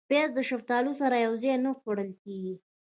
پیاز د شفتالو سره یو ځای نه خوړل کېږي